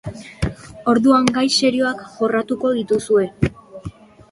Orduan, gai serioak jorratuko dituzue.